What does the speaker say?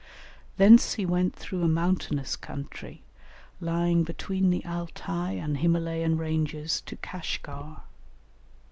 Thence he went through a mountainous country, lying between the Altai and Himalayan ranges to Kashgar.